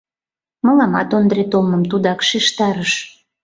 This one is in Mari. — Мыламат Ондре толмым тудак шижтарыш.